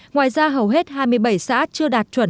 ngoài ra hầu hết hai mươi bảy xã chưa đạt chuẩn